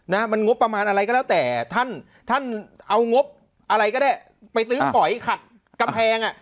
นะมันงบประมาณอะไรก็แล้วแต่ท่านท่านเอางบอะไรก็ได้ไปซื้อฝอยขัดกำแพงอ่ะ